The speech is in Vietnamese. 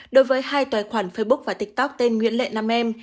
đối với hai tài khoản facebook và tiktok tên nguyễn lệ nam em